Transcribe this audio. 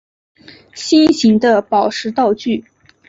心形的宝石道具。